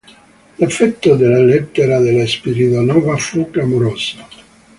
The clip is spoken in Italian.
L'effetto della lettera della Spiridonova fu clamoroso.